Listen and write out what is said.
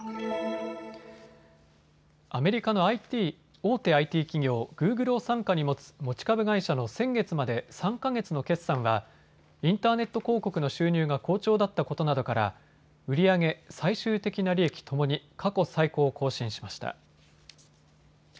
アメリカの大手ＩＴ企業、グーグルを傘下に持つ持ち株会社の先月まで３か月の決算はインターネット広告の収入が好調だったことなどから売り上げ、最終的な利益ともに過去最高を更新しました。